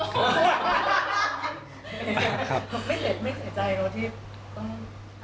ไม่เสร็จไม่เสียใจเนอะที่